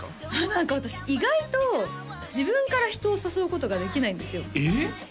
何か私意外と自分から人を誘うことができないんですよえっ？